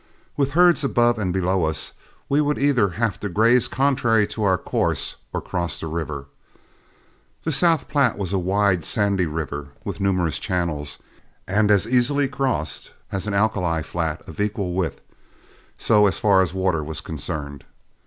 With herds above and below us, we would either have to graze contrary to our course or cross the river. The South Platte was a wide, sandy river with numerous channels, and as easily crossed as an alkali flat of equal width, so far as water was concerned.